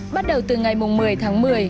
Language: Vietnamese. bắt đầu từ ngày một mươi tháng một mươi